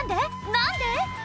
何で？